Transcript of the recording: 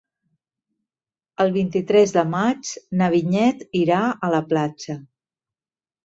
El vint-i-tres de maig na Vinyet irà a la platja.